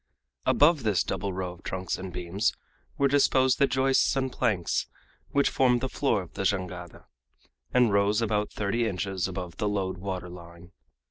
Above this double row of trunks and beams were disposed the joists and planks which formed the floor of the jangada, and rose about thirty inches above the load water line.